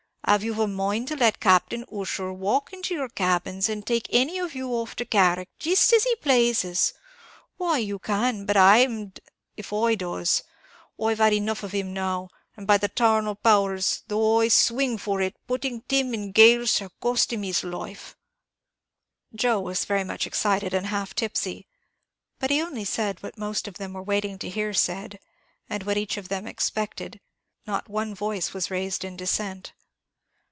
Av you've a mind to let Captain Ussher walk into your cabins and take any of you off to Carrick, jist as he plazes why you can; but I'm d d if I does! I've had enough of him now; and by the 'tarnal powers, though I swing for it, putting Tim in gaol shall cost him his life!" Joe was very much excited and half tipsy; but he only said what most of them were waiting to hear said, and what each of them expected; not one voice was raised in dissent.